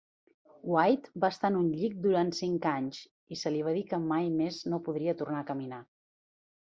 White va estar en un llit durant cinc anys i se li va dir que mai més no podria tornar a caminar.